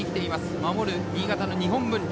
守る新潟、日本文理。